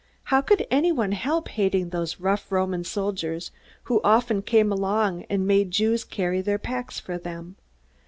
How could anyone help hating those rough Roman soldiers, who often came along and made Jews carry their packs for them?